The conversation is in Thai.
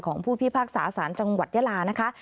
ของผู้พิพากษาสนยะลานะคะ